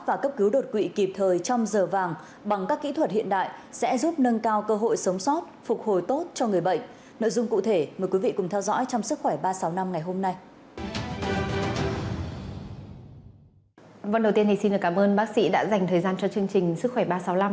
vâng đầu tiên thì xin cảm ơn bác sĩ đã dành thời gian cho chương trình sức khỏe ba trăm sáu mươi năm